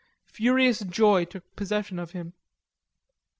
Furious joy took possession of him.